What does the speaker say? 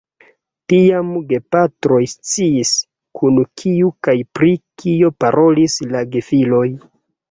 Tiam gepatroj sciis, kun kiu kaj pri kio parolis la gefiloj.